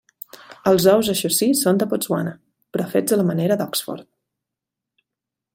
Els ous, això sí, són de Botswana, però fets a la manera d'Oxford.